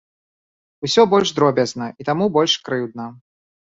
Усё больш дробязна і таму больш крыўдна.